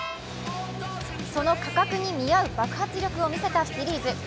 その価格に見合う爆発力を見せたフィリーズ。